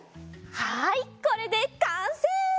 はいこれでかんせい！